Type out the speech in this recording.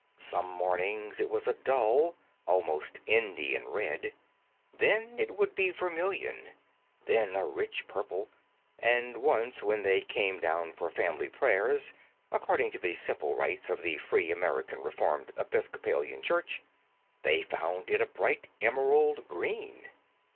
Some mornings it was a dull (almost Indian) red, then it would be vermilion, then a rich purple, and once when they came down for family prayers, according to the simple rites of the Free American Reformed Episcopalian Church, they found it a bright emerald green.